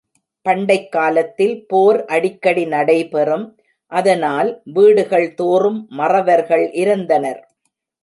பண்டைக் காலத்தில் போர் அடிக்கடி நடைபெறும், அதனால், வீடுகள் தோறும் மறவர்கள் இருந்தனர்.